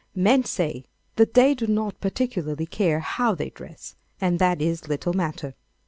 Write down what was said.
Men say that they do not particularly care how they dress, and that it is little matter.